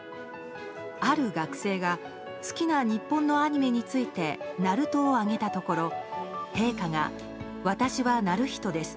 ある学生が好きな日本のアニメについて「ＮＡＲＵＴＯ‐ナルト‐」を挙げたところ陛下が、私は徳仁です。